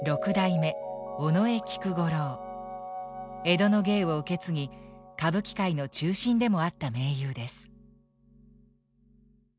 江戸の芸を受け継ぎ歌舞伎界の中心でもあった名優です。